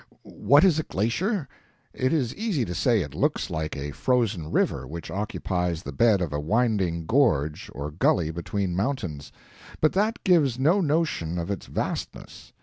What is a glacier? It is easy to say it looks like a frozen river which occupies the bed of a winding gorge or gully between mountains. But that gives no notion of its vastness.